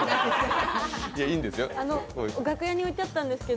いや、いいんですよ。